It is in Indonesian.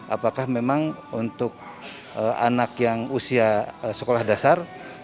apakah memang untuk anak yang usia sekolah dasar